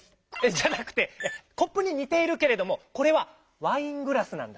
じゃなくてコップににているけれどもこれは「ワイングラス」なんだ。ね。